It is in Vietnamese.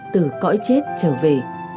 từ cõi chết trở về